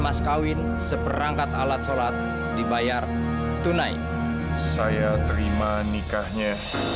mas kawin seperangkat alat sholat dibayar tunai saya terima nikahnya